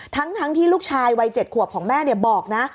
ทั้งที่ลูกชายวัย๗ขวบของแม่บอกนะ